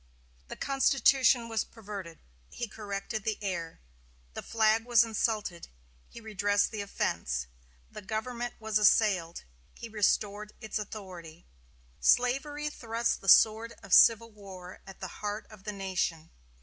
The Constitution was perverted; he corrected the error. The flag was insulted; he redressed the offense. The government was assailed? he restored its authority. Slavery thrust the sword of civil war at the heart of the nation?